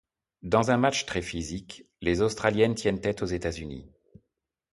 Dans un match très physique, les australiennes tiennent tête aux États-Unis.